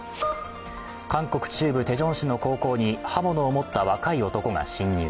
韓国中部テジョン市の高校に刃物を持った若い男が侵入。